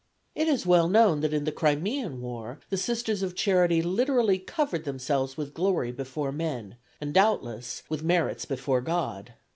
"It is well known that in the Crimean War the Sisters of Charity literally covered themselves with glory before men, and, doubtless, with merits before God.